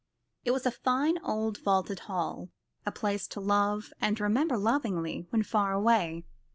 It was a fine old vaulted hall, a place to love and remember lovingly when far away.